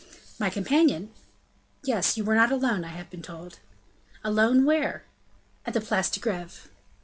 "My companion?" "Yes, you were not alone, I have been told." "Alone, where?" "At the Place de Greve."